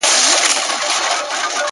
o چي زه او ته راضي، حاجت څه دئ د قاضي٫